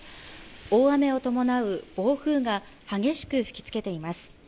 大雨を伴う暴風が激しく吹きつけています